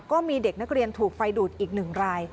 ก็มีเด็กนักเรียนถูกไฟดูดอีกหนึ่งไร